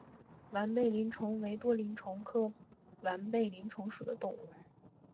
完背鳞虫为多鳞虫科完背鳞虫属的动物。